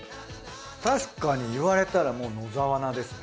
確かに言われたらもう野沢菜ですね。